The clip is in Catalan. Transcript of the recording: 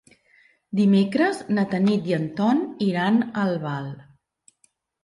Dimecres na Tanit i en Ton iran a Albal.